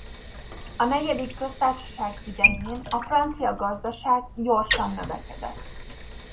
A Negyedik Köztársaság idején a francia gazdaság gyorsan növekedett.